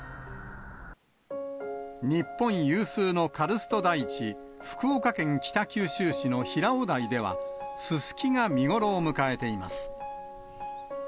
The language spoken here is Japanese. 日本有数のカルスト台地、福岡県北九州市の平尾台では、ススキが見頃を迎えています。